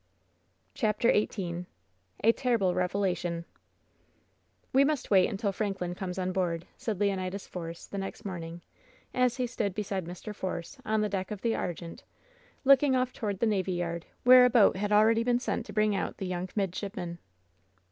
CHAPTEK XVni A TEBBIBLE BEVELATIOIST "Wb must wait imtil Franklin comes on board," said Leonidas Force, the next morning, as he stood beside Mr. Force, on the deck of the Argente, looking off toward the navy yard, where a boat had already been sent to bring out the young midshipman.